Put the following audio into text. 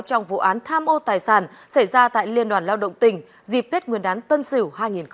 trong vụ án tham ô tài sản xảy ra tại liên đoàn lao động tỉnh dịp tết nguyên đán tân sửu hai nghìn hai mươi một